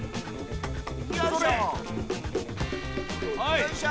よいしょ！